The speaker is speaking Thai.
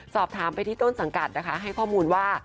สอบถามไปที่ต้นสังกัดนะคะให้ข้อมูลว่า